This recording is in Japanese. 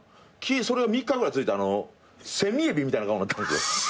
それが３日ぐらい続いたらセミエビみたいな顔になったんですよ。